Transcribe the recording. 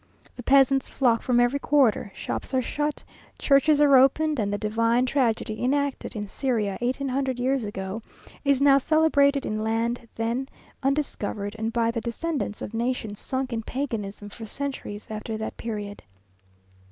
The peasants flock from every quarter, shops are shut, churches are opened; and the Divine Tragedy enacted in Syria eighteen hundred years ago, is now celebrated in land then undiscovered, and by the descendants of nations sunk in Paganism for centuries after that period.